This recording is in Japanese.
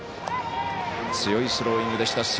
強いスローイングでした。